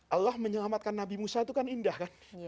allah menyelamatkan nabi musa itu kan indah kan